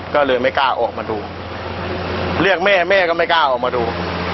ก็เลยไม่กล้าออกมาดูเรียกแม่แม่ก็ไม่กล้าออกมาดู